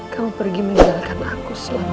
kamu pergi meninggalkan aku selama ini